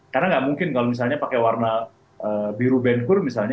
karena nggak mungkin kalau misalnya pakai warna biru benkur misalnya